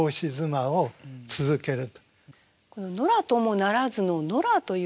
この「ノラともならず」のノラというのは？